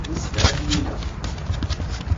A Meɣres bu sebɛa tnila.